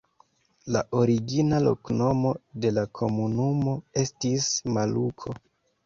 La origina loknomo de la komunumo estis Maluko.